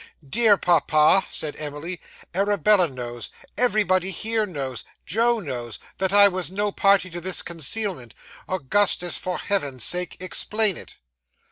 'Dear papa,' said Emily, 'Arabella knows everybody here knows Joe knows that I was no party to this concealment. Augustus, for Heaven's sake, explain it!